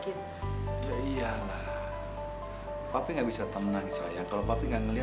tante aku mau minta uang lima ratus juta